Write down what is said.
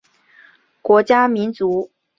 国家民族事务委员会仍作为国务院组成部门。